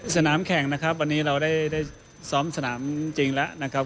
สนามแข่งนะครับวันนี้เราได้ซ้อมสนามจริงแล้วนะครับ